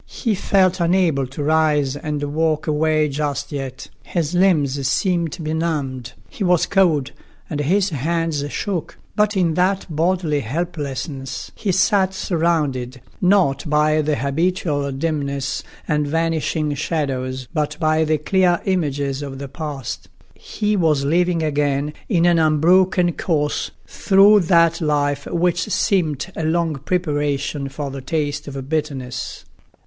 He felt unable to rise and walk away just yet; his limbs seemed benumbed; he was cold, and his hands shook. But in that bodily helplessness he sat surrounded, not by the habitual dimness and vanishing shadows, but by the clear images of the past; he was living again in an unbroken course through that life which seemed a long preparation for the taste of bitterness.